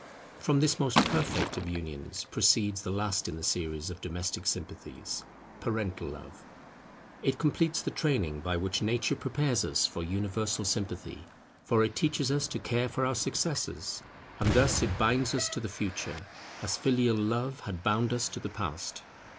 From this most perfect of unions proceeds the last in the series of domestic sympathies, parental love. It completes the training by which Nature prepares us for universal sympathy: for it teaches us to care for our successors; and thus it binds us to the Future, as filial love had bound us to the Past.